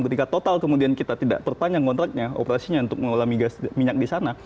ketika total kemudian kita tidak terpanjang kontraknya operasinya untuk mengelola migas minyak di sana